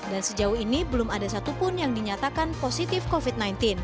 dan sejauh ini belum ada satupun yang dinyatakan positif covid sembilan belas